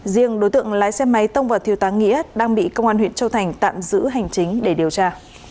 riêng đối tượng lái xe máy tông vào thiêu tá nghĩa đang bị công an huyện châu thành tạm giữ hành chính để điều tra